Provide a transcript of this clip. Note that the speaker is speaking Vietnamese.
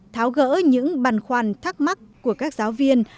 tháo gỡ những băn khoăn thắc mắc của các giáo viên